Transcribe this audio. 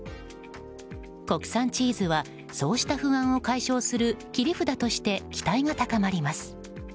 国産チーズはそうした不安を解消する切り札として期待が高まります。